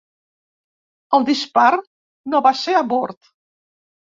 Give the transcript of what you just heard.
El dispar no va ser a bord.